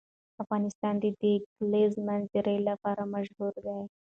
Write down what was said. افغانستان د د کلیزو منظره لپاره مشهور دی.